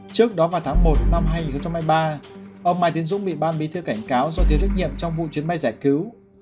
trước đó vào tháng một năm hai nghìn hai mươi ba ông mai tiến dũng bị ban bí thư cảnh cáo do thiếu trách nhiệm trong vụ chuyến bay giải cứu